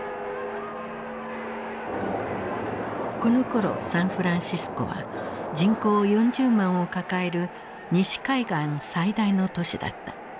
このころサンフランシスコは人口４０万を抱える西海岸最大の都市だった。